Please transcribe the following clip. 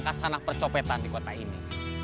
kasanah percopetan di kota ini